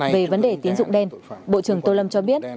về vấn đề tín dụng đen bộ trưởng tô lâm cho biết